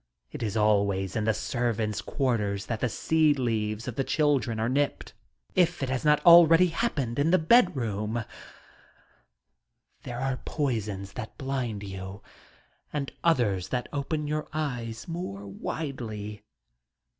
It is always in the servants' quarters that the seed leaves of the children are nipped, if it has not already happened in the bedroom uhere are poisons that blind you, and others that open your eyes more widely.